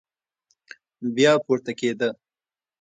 بيا پورته کېده.